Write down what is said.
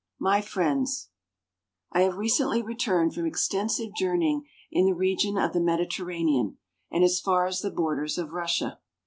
My Friends: I have recently returned from extensive journeying in the region of the Mediterranean and as far as the borders of Russia.